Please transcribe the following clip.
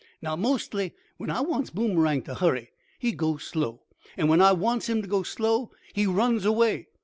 Now, mostly, when I wants Boomerang t' hurry, he goes slow, an' when I wants him t' go slow, he runs away.